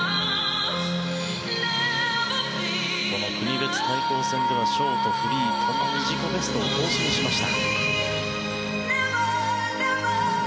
この国別対抗戦ではショート、フリーともに自己ベストを更新しました。